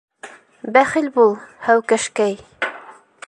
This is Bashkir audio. Бәхил бул, һәүкәшкәй...